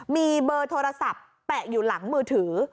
มีเบอร์โทรศัพท์แปะอยู่หลังมือถือ